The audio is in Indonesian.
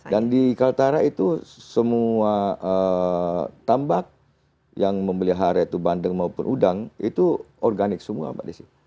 dan di kaltara itu semua tambak yang membeli h ray itu bandeng maupun udang itu organik semua pak desi